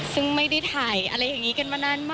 ซึ่งไม่ได้ถ่ายอะไรอย่างนี้กันมานานมาก